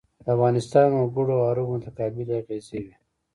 د افغانستان وګړو او عربو متقابلې اغېزې وې.